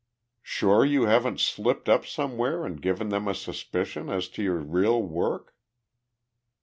"Sure you haven't slipped up anywhere and given them a suspicion as to your real work?"